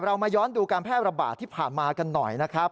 มาย้อนดูการแพร่ระบาดที่ผ่านมากันหน่อยนะครับ